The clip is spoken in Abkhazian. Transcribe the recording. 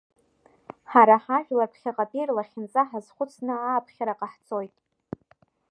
Ҳара ҳажәлар ԥхьаҟатәи рлахьынҵа ҳазхәыцны ааԥхьара ҟаҳҵоит…